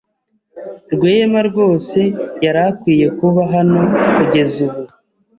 Rwema rwose yari akwiye kuba hano kugeza ubu.